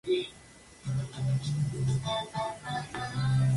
Solo se consideran conchas los exoesqueletos de los moluscos.